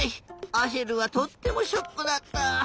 アシェルはとってもショックだった。